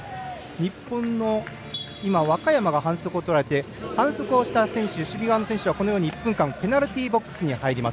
日本の若山が反則をとられて反則をした守備側の選手は１分間ペナルティーボックスに入ります。